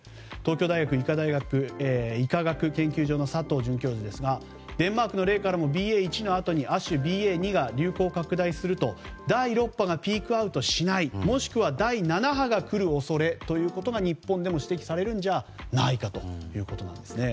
東京大学医科学研究所の佐藤准教授ですがデンマークの例からもＢＡ．１のあとに亜種のＢＡ．２が流行拡大すると、第６波がピークアウトしないもしくは第７波が来る恐れが日本でも指摘されるんじゃないかということなんです。